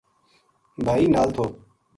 بھائی نال تھو۔